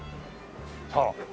さあ。